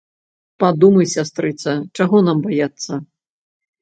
Падумай, сястрыца, чаго нам баяцца?